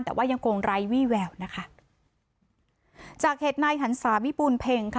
แต่ว่ายังคงไร้วี่แววนะคะจากเหตุนายหันศาวิปูนเพ็งค่ะ